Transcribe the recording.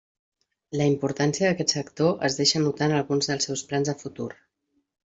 La importància d'aquest sector es deixa notar en alguns dels seus plans de futur.